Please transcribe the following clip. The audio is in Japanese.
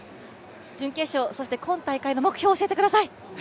準決勝、そして今大会の目標、教えてください。